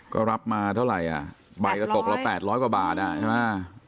ก็รับมาเท่าไรอ่ะบ่ายกระตุกละแปดร้อยกว่าบาทอ่ะใช่ไหม